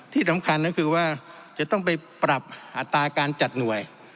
ที่สำคัญก็คือว่าจะต้องไปปรับอัตราการจัดหน่วย